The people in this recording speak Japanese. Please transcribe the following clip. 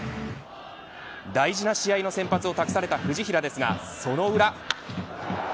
大事な試合の先発を託された藤平ですがその裏。